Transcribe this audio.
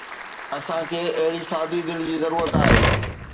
اسان کي اهڙي سادي دل جي ضرورت آهي